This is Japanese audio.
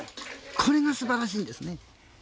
これが素晴らしいですね。